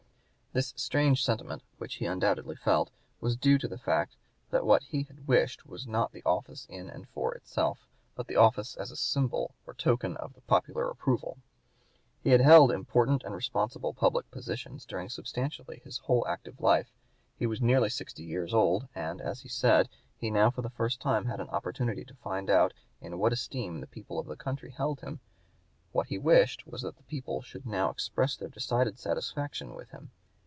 This strange sentiment, which he undoubtedly felt, was due to the fact that what he had wished was not the office in and for itself, but the office as a symbol or token of the popular approval. He had held important and responsible public positions during substantially his whole active (p. 176) life; he was nearly sixty years old, and, as he said, he now for the first time had an opportunity to find out in what esteem the people of the country held him. What he wished was that the people should now express their decided satisfaction with him.